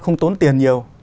không tốn tiền nhiều